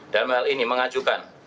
dan hal ini mengajukan